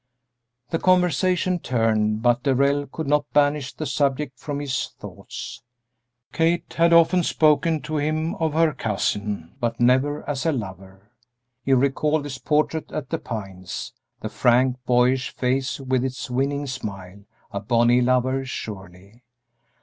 The conversation turned, but Darrell could not banish the subject from his thoughts. Kate had often spoken to him of her cousin, but never as a lover. He recalled his portrait at The Pines; the frank, boyish face with its winning smile a bonnie lover surely!